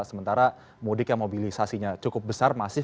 sementara mudik yang mobilisasinya cukup besar masif